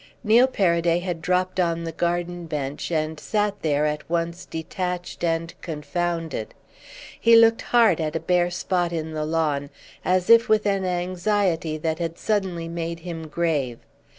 Neil Paraday had dropped on the garden bench and sat there at once detached and confounded; he looked hard at a bare spot in the lawn, as if with an anxiety that had suddenly made him grave.